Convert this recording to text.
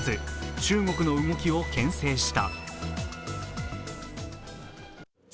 中国の動きをけん制した。